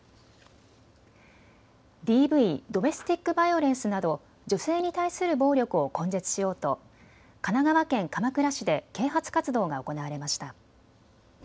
ＤＶ・ドメスティック・バイオレンスなど女性に対する暴力を根絶しようと神奈川県鎌倉市で啓発活動が行われました。